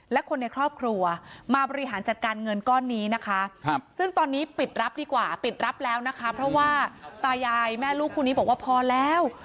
และคนในครอบครัวมาบริหารจัดการเงินก้อนนี้นะคะซึ่งตอนนี้ปิดรับดีกว่าปิดรับแล้วนะคะเพราะว่าตายายแม่ลูกคู่นี้บอกว่าพอแล้ว